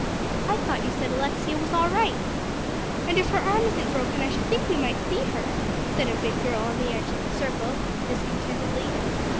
"I thought you said Alexia was all right." "And if her arm isn't broken I should think we might see her," said a big girl on the edge of the circle discontentedly.